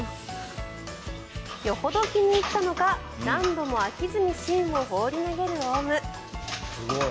よほど気に入ったのか何度も飽きずに芯を放り投げるオウム。